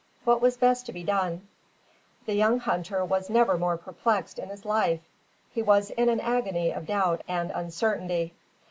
What was best to be done? The young hunter was never more perplexed in his life. He was in an agony of doubt and uncertainty.